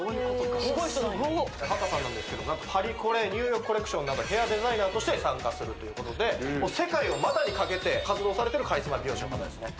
すごい人だ波多さんなんですけどパリコレニューヨークコレクションなどヘアデザイナーとして参加するということで世界を股にかけて活動されてるカリスマ美容師の方ですね